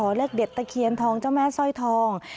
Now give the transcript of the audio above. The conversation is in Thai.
เลขเด็ดตะเคียนทองเจ้าแม่สร้อยทอง